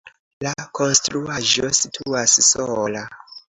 La konstruaĵo situas sola.